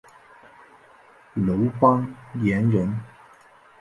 楼邦彦人。